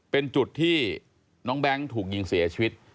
เป็นจุดที่น้องแบงค์ถูกยิงเสียชีวิต